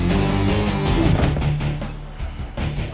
yang kamu teror